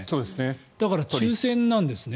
だから、抽選なんですね。